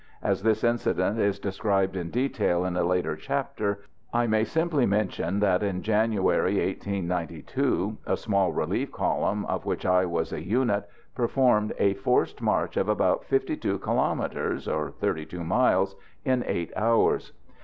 As this incident is described in detail in a later chapter, I may simply mention that in January, 1892, a small relief column, of which I was a unit, performed a forced march of about 52 kilomètres, or 32 miles in eight hours.